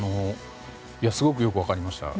すごくよく分かりました。